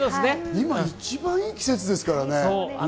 今一番いい季節ですからね。